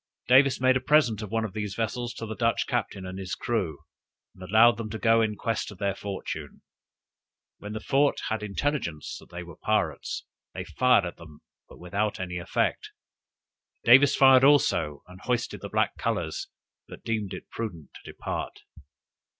Davis made a present of one of these vessels to the Dutch captain and his crew, and allowed them to go in quest of their fortune. When the fort had intelligence that they were pirates, they fired at them, but without any effect; Davis fired also, and hoisted the black colors, but deemed it prudent to depart.